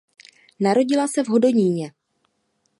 Narodila se v Hodoníně.